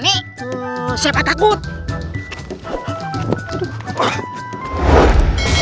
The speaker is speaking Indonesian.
ibu bentar code